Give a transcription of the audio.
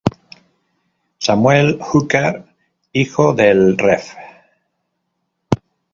Samuel Hooker, hijo del Rev.